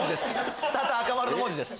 スタート赤丸の文字です。